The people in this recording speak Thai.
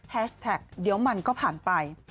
แท็กเดี๋ยวมันก็ผ่านไป